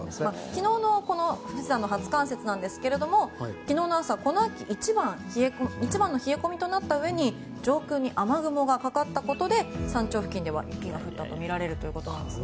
昨日の富士山の初冠雪なんですけど昨日の朝、この秋一番の冷え込みとなったうえに上空に雨雲がかかったことで山頂付近では雪が降ったとみられるということです。